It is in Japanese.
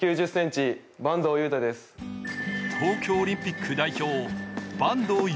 東京オリンピック代表、坂東悠